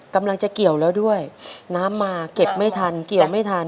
กำลังจะเกี่ยวแล้วด้วยน้ำมาเก็บไม่ทันเกี่ยวไม่ทัน